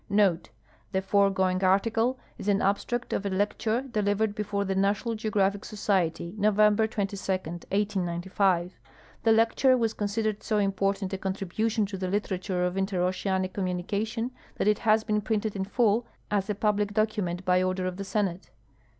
[Note.— The foregoing ariicle is an abstract of a lecture delivered before the National Geographic Society, November 22, 189.>. The lecture was considered so important a contribution to the literature of interoceanic communication that it has been printed in full as a public document by order of the Senate.